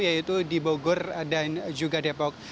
yaitu di bogor dan juga depok